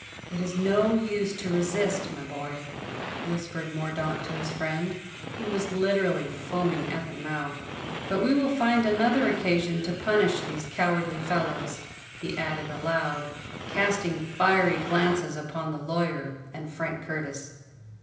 "It is no use to resist, my boy," whispered Mordaunt to his friend, who was literally foaming at the mouth. "But we will find another occasion to punish these cowardly fellows," he added aloud, casting fiery glances upon the lawyer and Frank Curtis.